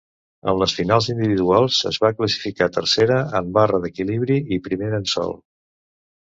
En les finals individuals es va classificar tercera en barra d'equilibri i primera en sòl.